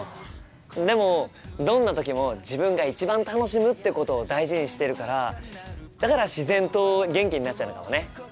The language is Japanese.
でもどんな時も自分が一番楽しむってことを大事にしてるからだから自然と元気になっちゃうのかもね。